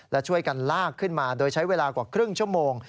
และช่วยกันลากขึ้นมาโดยใช้เวลากว่าครึ่งชั่วโมง